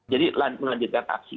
jadi menjalankan aksi